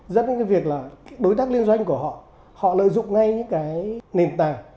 dẫn đến cái việc là đối tác liên doanh của họ họ lợi dụng ngay những cái nền tảng